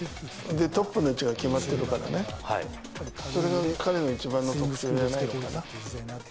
トップの位置が決まってるからね、それが彼の一番の特徴じゃないのかな。